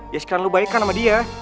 ya sekarang lu baikan sama dia